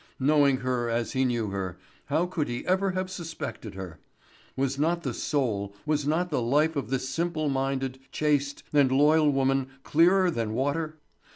Knowing her as he knew her, how could he ever have suspected her? Was not the soul, was not the life of this simple minded, chaste, and loyal woman clearer than water?